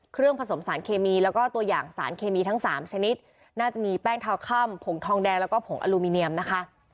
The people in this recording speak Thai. ผสมสารเคมีแล้วก็ตัวอย่างสารเคมีทั้งสามชนิดน่าจะมีแป้งเท้าค่ำผงทองแดงแล้วก็ผงอลูมิเนียมนะคะ